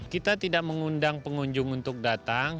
kita tidak mengundang pengunjung untuk datang